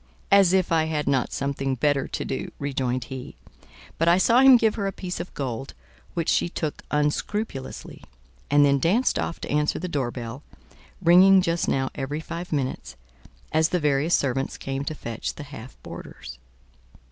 "As if I had not something better to do!" rejoined he; but I saw him give her a piece of gold, which she took unscrupulously, and then danced off to answer the door bell, ringing just now every five minutes, as the various servants came to fetch the half boarders.